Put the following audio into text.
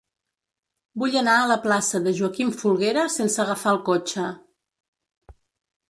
Vull anar a la plaça de Joaquim Folguera sense agafar el cotxe.